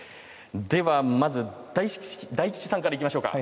まずは大吉さんからいきましょうか。